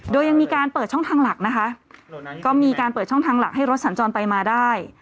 โดยยังมีการเปิดช่องทางหลักนะคะก็มีการเปิดช่องทางหลักให้รถสัญจรไปมาได้